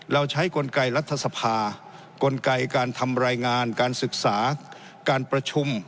เราใช้กลไกรัฐสภากลไกการทำรายงานการศึกษาการประชุม